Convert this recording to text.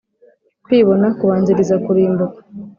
kwibona kubanziriza kurimbuka